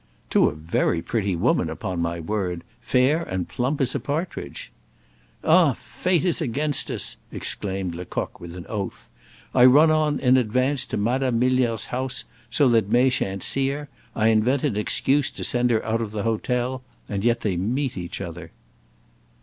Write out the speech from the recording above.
"To a very pretty woman, upon my word! fair and plump as a partridge!" "Ah! fate is against us!" exclaimed Lecoq with an oath. "I run on in advance to Madame Milner's house, so that May shan't see her. I invent an excuse to send her out of the hotel, and yet they meet each other."